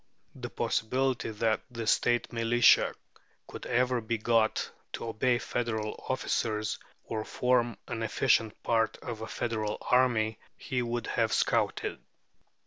The possibility that the State militia could ever be got to obey federal officers, or form an efficient part of a federal army, he would have scouted.